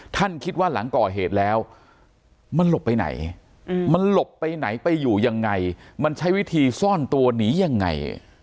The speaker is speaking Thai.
คิดว่าหลังก่อเหตุแล้วมันหลบไปไหนมันหลบไปไหนไปอยู่ยังไงมันใช้วิธีซ่อนตัวหนียังไง